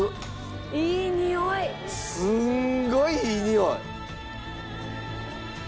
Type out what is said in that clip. すごいいいにおい！